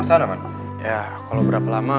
di sana man ya kalau berapa lama